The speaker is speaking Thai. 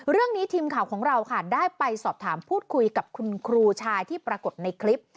ทีมข่าวของเราค่ะได้ไปสอบถามพูดคุยกับคุณครูชายที่ปรากฏในคลิป